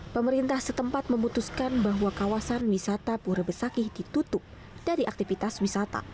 pemerintah setempat memutuskan bahwa kawasan wisata pura besakih ditutup dari aktivitas wisata